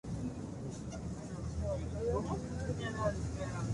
Su hábitat se extiende por Guyana y Suriname; con algún avistaje reportado en Ecuador.